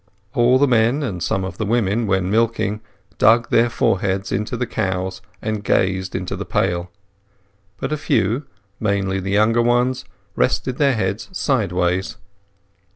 All the men, and some of the women, when milking, dug their foreheads into the cows and gazed into the pail. But a few—mainly the younger ones—rested their heads sideways.